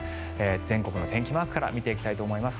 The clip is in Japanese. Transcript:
全国の天気マークから見ていきたいと思います。